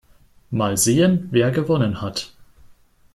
Mal sehen, wer gewonnen hat.